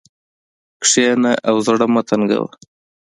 کښېنه او زړه مه تنګوه.